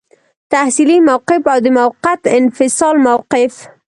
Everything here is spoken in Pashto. تحصیلي موقف او د موقت انفصال موقف.